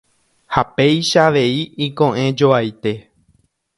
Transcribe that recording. Ha péicha avei iko'ẽjoaite.